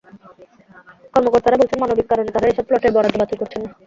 কর্মকর্তারা বলছেন, মানবিক কারণে তাঁরা এসব প্লটের বরাদ্দ বাতিল করছেন না।